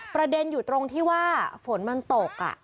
ประเด็นอยู่ตรงที่ว่าฝนมันตก